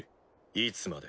いつまで？